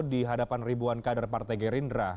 di hadapan ribuan kader partai gerindra